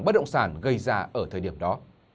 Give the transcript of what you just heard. bất động sản gây ra ở thời điểm đó